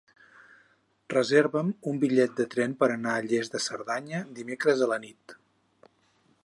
Reserva'm un bitllet de tren per anar a Lles de Cerdanya dimecres a la nit.